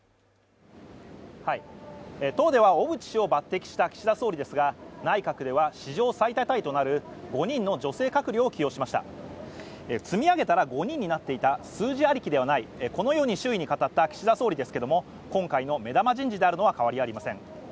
党では小渕氏を抜擢した岸田総理ですが内閣では史上最多タイとなる５人の女性閣僚を起用しました積み上げたら５人になっていた数字ありきではないこのように周囲に語った岸田総理ですけども今回の目玉人事であるのは変わりありません